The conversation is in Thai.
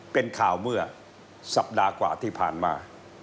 เป็นข่าวเมื่อสัปดาห์กว่าที่ผ่านมา